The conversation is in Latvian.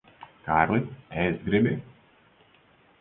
Kārli, ēst gribi?